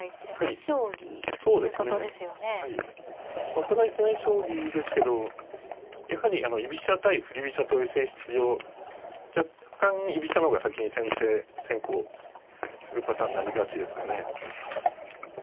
お互い攻め将棋ですけどやはり居飛車対振り飛車という性質上若干居飛車の方が先に先制先攻するパターンになりがちですかね。